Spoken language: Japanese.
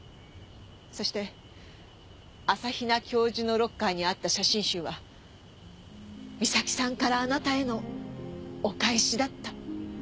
そして朝比奈教授のロッカーにあった写真集は美咲さんからあなたへのお返しだった。